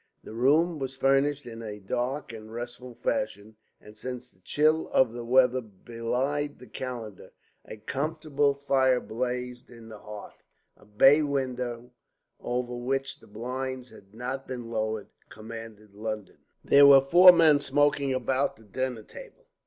The room was furnished in a dark and restful fashion; and since the chill of the weather belied the calendar, a comfortable fire blazed in the hearth. A bay window, over which the blinds had not been lowered, commanded London. There were four men smoking about the dinner table.